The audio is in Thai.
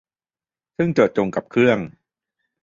ซึ่งเจาะจงกับเครื่อง